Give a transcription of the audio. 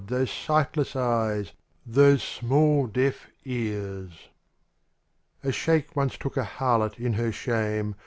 those sightless eyes, those small deaf cars. SHEIK once took a harlot in her shame.